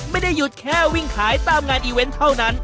ไม่ได้หยุดแค่วิ่งขายตามงานอีเวนต์เท่านั้น